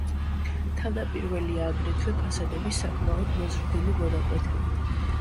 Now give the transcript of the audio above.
თავდაპირველია აგრეთვე ფასადების საკმაოდ მოზრდილი მონაკვეთები.